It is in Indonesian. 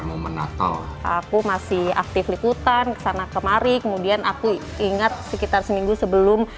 momen natal aku masih aktif liputan kesana kemari kemudian aku ingat sekitar seminggu sebelum